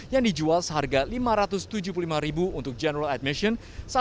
yang dijual seharga rp lima ratus tujuh puluh lima untuk general admission